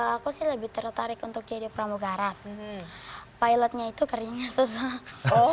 aku sih lebih tertarik untuk jadi pramugara pilotnya itu kerjanya susah